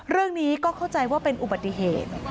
เรื่องนี้ก็เข้าใจว่าเป็นอุบัติเหตุ